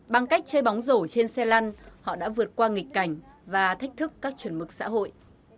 bằng cách chơi bóng rổ trên xe lăn họ đã vượt qua nghịch cảnh và thách thức các chuẩn mực xã hội